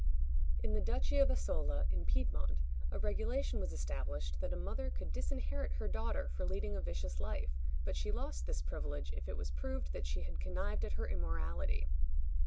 In the Duchy of Asola, in Piedmont, a regulation was established that a mother could disinherit her daughter for leading a vicious life, but she lost this privilege if it was proved that she had connived at her immorality.